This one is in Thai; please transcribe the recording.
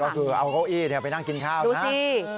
ก็คือเอาเก้าอี้ไปนั่งกินข้าวนะครับดูสิ